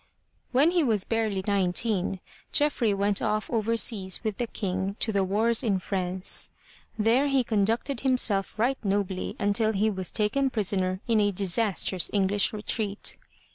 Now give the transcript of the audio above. When he was barely nineteen, Geoffrey went off over seas with the King to the wars in France. There he conducted himself right nobly imtil he was taken prisoner in a disastrous English retreat.